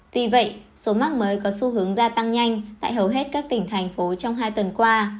vì vậy số mắc mới có xu hướng gia tăng nhanh tại hầu hết các tỉnh thành phố trong hai tuần qua